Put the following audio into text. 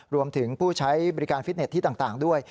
ผู้ใช้บริการฟิตเน็ตที่ต่างด้วย